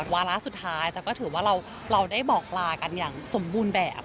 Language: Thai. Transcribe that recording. วาระสุดท้ายจะก็ถือว่าเราได้บอกลากันอย่างสมบูรณ์แบบ